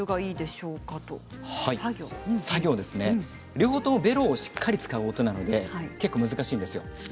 両方ともベロをしっかり使う音なので結構難しいんですよ。